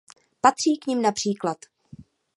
Patří k nim například.